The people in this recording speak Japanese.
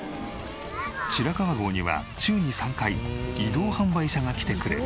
白川郷には週に３回移動販売車が来てくれる。